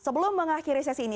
sebelum mengakhiri sesi ini